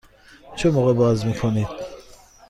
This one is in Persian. چه موقع باز می کنید؟